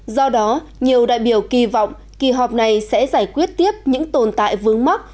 do đó nhiều đại biểu kỳ vọng kỳ họp này sẽ giải quyết tiếp những tồn tại vướng mắc